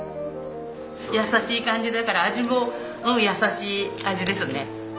優しい感じだから味も優しい味ですね。